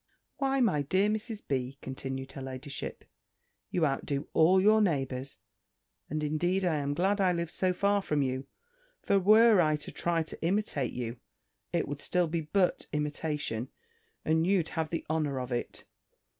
Why, my dear Mrs. B.," continued her ladyship, "you out do all your neighbours. And indeed I am glad I live so far from you: for were I to try to imitate you, it would still be but imitation, and you'd have the honour of it."